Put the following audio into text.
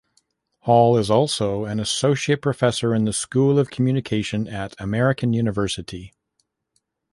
Hall is also an associate professor in the School of Communication at American University.